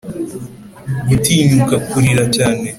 gutinyuka kurira cyane